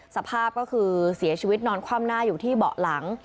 สภาพก็คือเสียชีวิตนอนคว่ำหน้าอยู่ที่เบาะหลัง